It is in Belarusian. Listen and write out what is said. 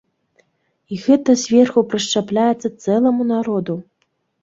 І гэта зверху прышчапляецца цэламу народу.